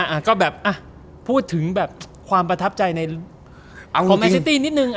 อ่ะก็แบบพูดถึงแบบความประทับใจในของแม่ซิตี้นิดนึง